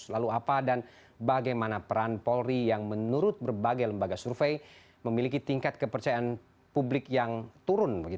lalu apa dan bagaimana peran polri yang menurut berbagai lembaga survei memiliki tingkat kepercayaan publik yang turun